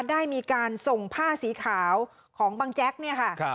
ได้มีการส่งผ้าสีขาวของบังแจ๊กเนี่ยค่ะ